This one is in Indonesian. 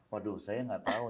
waduh saya nggak tahu